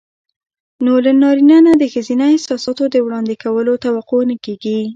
نو له نارينه نه د ښځينه احساساتو د وړاندې کولو توقع نه کېږي.